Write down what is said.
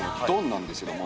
なんですけども。